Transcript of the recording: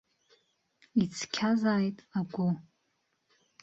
Ицқьазааит агәы!